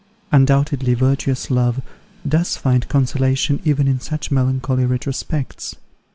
Undoubtedly virtuous love does find consolation even in such melancholy retrospects.